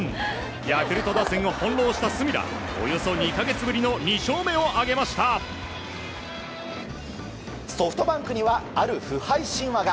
ヤクルト打線を翻弄した隅田およそ２か月ぶりのソフトバンクにはある不敗神話が。